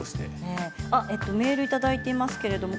メールをいただいています。